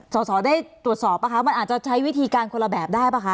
สอสอได้ตรวจสอบป่ะคะมันอาจจะใช้วิธีการคนละแบบได้ป่ะคะ